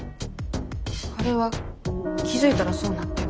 あれは気付いたらそうなってて。